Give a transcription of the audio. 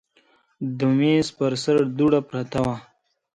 د میز پر سر دوړه پرته وه.